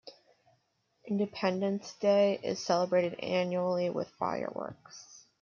Independence Day is celebrated annually with fireworks.